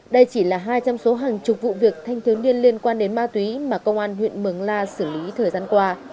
đây chỉ là hai trong số hàng chục vụ việc thanh thiếu niên liên quan đến ma túy mà công an huyện mường la xử lý thời gian qua